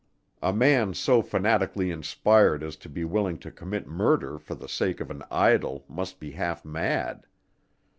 A man so fanatically inspired as to be willing to commit murder for the sake of an idol must be half mad.